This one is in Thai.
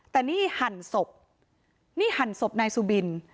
แต่นี่หั่นศพนี่หั่นศพนายสุบิน